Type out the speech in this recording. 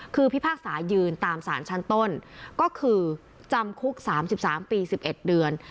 คือพิพากษายืนตามสารชั้นต้นก็คือจำคุก๓๓ปี๑๑เดือน